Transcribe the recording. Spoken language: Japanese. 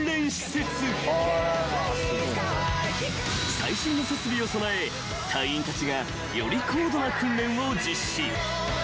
［最新の設備を備え隊員たちがより高度な訓練を実施］